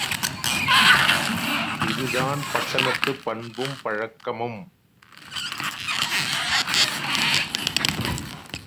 இதுதான் பட்டணத்துப் பண்பும் பழக்கமும்.